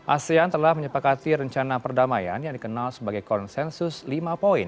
asean telah menyepakati rencana perdamaian yang dikenal sebagai konsensus lima poin